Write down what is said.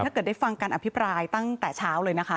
ได้ฟังการอภิปรายตั้งแต่เช้าเลยนะคะ